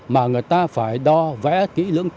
mà người ta phải đo vẽ kỹ lưỡng